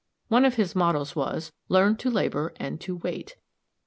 One of his mottoes was: "Learn to labor, and to wait."